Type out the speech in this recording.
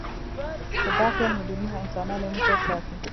خو دا خیال میلیونونه انسانان یو موټی ساتي.